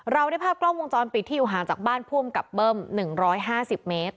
แล้วได้ภาพกล้องวงจรปิดที่อยู่หาวจากบ้านภูมิกลับเบิ้ล๑๕๐เมตร